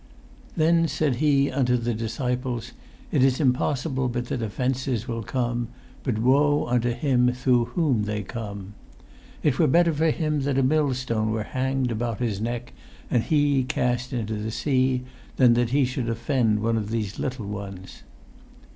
"Then said He unto the disciples, It is impossible but that offences will come: but woe unto him through whom they come! "It were better for him that a millstone were hanged about his neck, and he cast into the sea, than that he should offend one of these little ones."